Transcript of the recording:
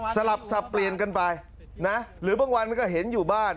สลับสับเปลี่ยนกันไปนะหรือบางวันมันก็เห็นอยู่บ้าน